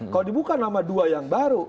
kalau dibuka nama dua yang baru